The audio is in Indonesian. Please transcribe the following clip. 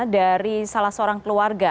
dari salah seorang keluarga